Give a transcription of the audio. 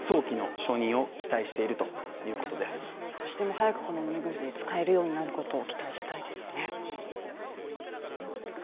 少しでも早くこの飲み薬、使えるようになることを期待したいですね。